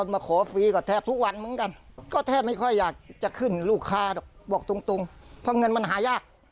ไม้ขึ้นมากขึ้นแขนเป็นร้อย